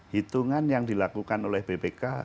hitungan yang dilakukan oleh bpk